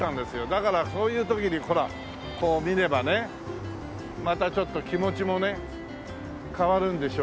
だからそういう時にほら見ればねまたちょっと気持ちもね変わるんでしょうけども。